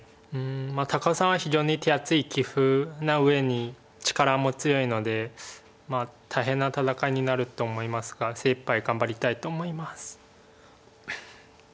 高尾さんは非常に手厚い棋風なうえに力も強いので大変な戦いになると思いますが精いっぱい頑張りたいと思います。